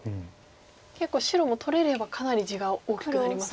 結構白も取れればかなり地が大きくなりますよね。